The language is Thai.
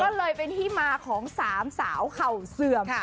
ก็เลยเป็นที่มาของ๓สาวเข่าเสื่อม